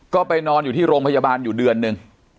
ก็ไปนอนอยู่ที่โรงพยาบาลอยู่เดือนหนึ่ง